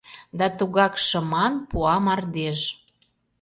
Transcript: Да тугак шыман Пуа мардеж…